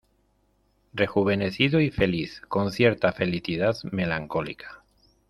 rejuvenecido y feliz, con cierta felicidad melancólica